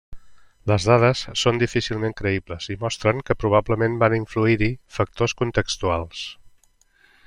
Les dades són difícilment creïbles i mostren que probablement van influir-hi factors contextuals.